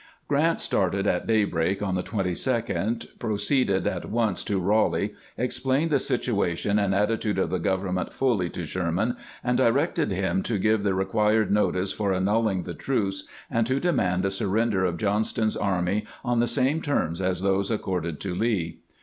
Grant started at daybreak on the 22d, proceeded at once to Ealeigh, explained the situation and attitude of the government fully to Sherman, and directed him to give the required notice for annulling the truce, and to demand a surrender of Johnston's army on the same terms as those accorded to Lee.